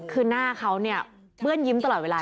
คือหน้าเขาเนี่ยเปื้อนยิ้มตลอดเวลา